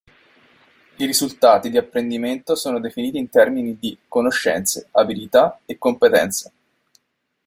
I risultati di apprendimento sono definiti in termini di "Conoscenze", "Abilità" e "Competenze".